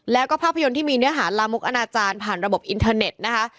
แล้วก็ภาพยนตร์ที่มีเนื้อหาลามกอนาจารย์ผ่านระบบอินเทอร์เน็ตนะคะ